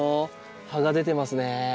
葉が出てますね。